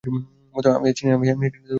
আমি আছি না।